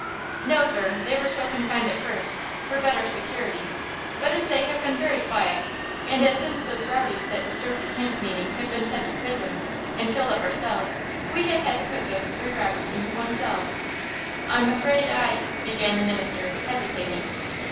"No, sir; they were so confined at first, for better security, but as they have been very quiet, and as since those rowdies that disturbed the camp meeting have been sent to prison and filled up our cells, we have had to put those three robbers into one cell." "I'm afraid I–" began the minister, hesitating.